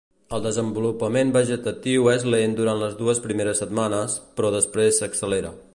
El desenvolupament vegetatiu és lent durant les dues primeres setmanes, però després s'accelera.